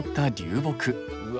うわ。